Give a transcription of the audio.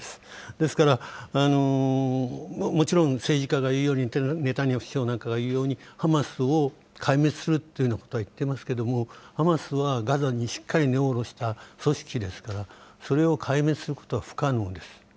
ですから、もちろん政治家が言うように、ネタニヤフ首相なんかが言うように、ハマスを壊滅するというようなことは言っていますけども、ハマスはガザにしっかり根を下ろした組織ですから、それを壊滅することは不可能です。